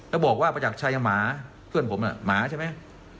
แล้วบอกว่าประจักรชัยหมาเพื่อนผมหมาใช่ไหม